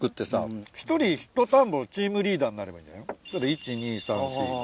１・２・３・４・５。